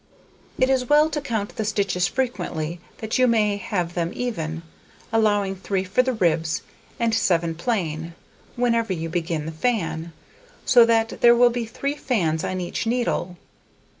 It is well to count the stitches frequently, that you may have them even, allowing 3 for the ribs and 7 plain, whenever you begin the fan, so that there will be 3 fans on each needle.